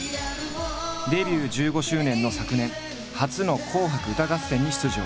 デビュー１５周年の昨年初の「紅白歌合戦」に出場。